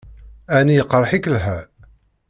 Ɛni iqṛeḥ-ik lḥal?